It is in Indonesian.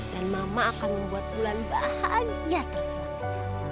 dan mama akan membuat bulan bahagia terus selamanya